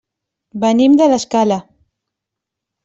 Venim de l'Escala.